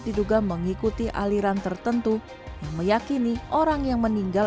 diduga mengikuti aliran tertentu yang meyakini orang yang meninggal